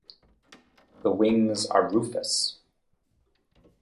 The wings are rufous.